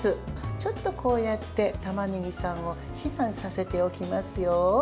ちょっと、こうやってたまねぎさんを避難させておきますよ。